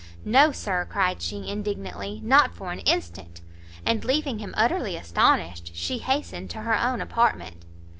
"No, sir," cried she, indignantly, "not for an instant!" and leaving him utterly astonished, she hastened to her own apartment.